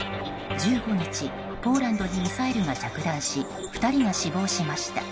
１５日、ポーランドにミサイルが着弾し２人が死亡しました。